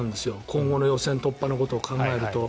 今後の予選突破のことを考えると。